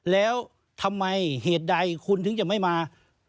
แล้วทำไมเหตุใดคุณถึงจะไม่มา